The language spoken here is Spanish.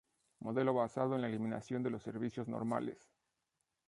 modelo basado en la eliminación de los servicios normales